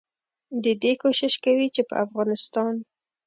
ددې کوشش کوي چې په افغانستان